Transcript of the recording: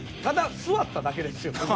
ただ座っただけですよ。